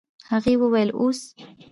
هغې وويل اوس.